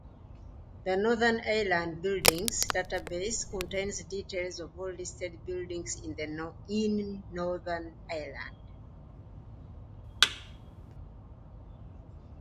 The Northern Ireland Buildings Database contains details of all listed buildings in Northern Ireland.